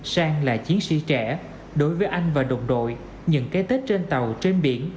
sang là chiến sĩ trẻ đối với anh và đồng đội những cái tết trên tàu trên biển